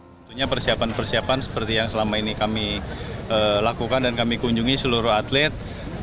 tentunya persiapan persiapan seperti yang selama ini kami lakukan dan kami kunjungi seluruh atlet